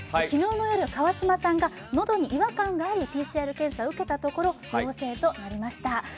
昨日の夜、川島さんが喉に違和感があり、ＰＣＲ検査を受けたところ、陽性となりました。